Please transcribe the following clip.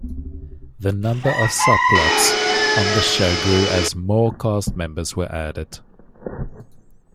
The number of subplots on the show grew as more cast members were added.